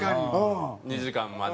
２時間まで。